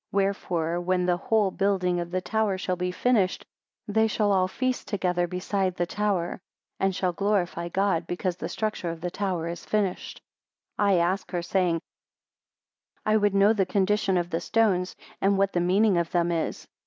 Wherefore when the whole building of the tower shall be finished, they shall all feast together beside the tower, and shall glorify God, because the structure of the tower is finished. 47 I asked her, saying, I would know the condition of the stones, and what the meaning of them is?